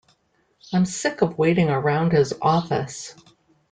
I'm sick of waiting around his office.